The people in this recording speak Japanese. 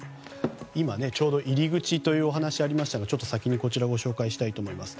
今、ちょうど入り口というお話がありましたが先に、こちらご紹介します。